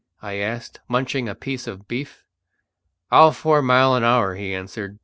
I asked, munching a piece of beef. "All four mile an hour," he answered.